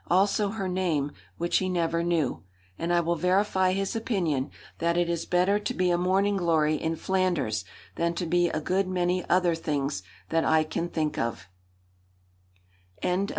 Also her name, which he never knew. And I will verify his opinion that it is better to be a Morning Glory in Flanders than to be a good many other things that I can think of.